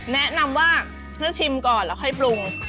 แนะนำว่าถ้าชิมก่อนแล้วค่อยปรุง